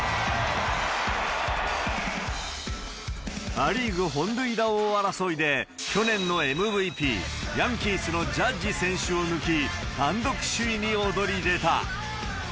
ア・リーグ本塁打王争いで、去年のＭＶＰ、ヤンキースのジャッジ選手を抜き、単独首位に躍り出た。